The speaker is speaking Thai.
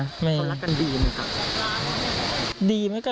เขารักกันดีมั้ยครับ